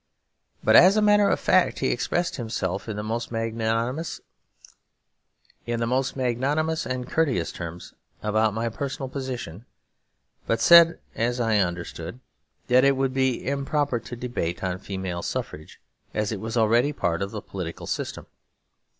But as a matter of fact he expressed himself in the most magnanimous and courteous terms about my personal position, but said (as I understood) that it would be improper to debate on female suffrage as it was already a part of the political system.